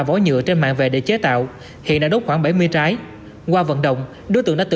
vỏ nhựa trên mạng về để chế tạo hiện đã đốt khoảng bảy mươi trái qua vận động đối tượng đã tự